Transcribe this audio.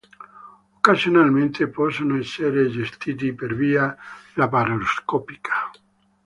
Occasionalmente possono essere gestiti per via laparoscopica.